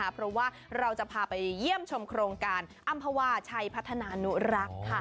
เพราะว่าเราจะพาไปเยี่ยมชมโครงการอำภาวาชัยพัฒนานุรักษ์